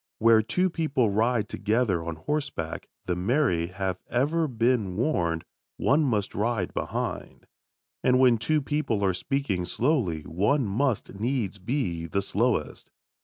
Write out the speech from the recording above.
Where two people ride together on horseback, the married have ever been warned, one must ride behind. And when two people are speaking slowly one must needs be the slowest.